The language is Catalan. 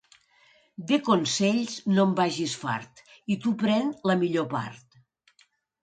De consells no en vagis fart, i tu pren la millor part.